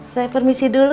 saya permisi dulu